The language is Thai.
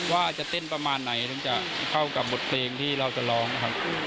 ว่าจะเต้นประมาณไหนถึงจะเข้ากับบทเพลงที่เราจะร้องนะครับ